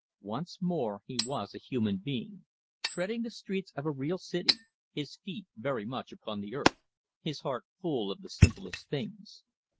Once more he was a human being, treading the streets of a real city, his feet very much upon the earth, his heart full of the simplest things.